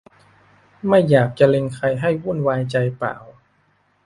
ไม่ได้อยากจะเล็งใครให้วุ่นวายใจเปล่า